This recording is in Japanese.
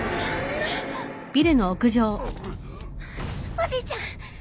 おじいちゃん。